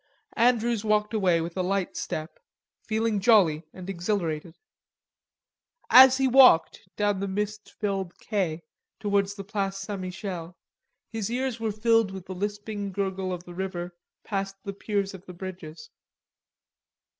Andrews walked away with a light step, feeling jolly and exhilarated. As he walked down the mist filled quai towards the Place St. Michel, his ears were filled with the lisping gurgle of the river past the piers of the bridges.